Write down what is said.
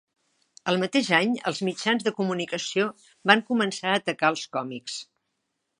El mateix any, els mitjans de comunicació van començar a atacar els còmics.